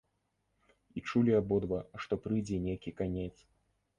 І чулі абодва, што прыйдзе нейкі канец.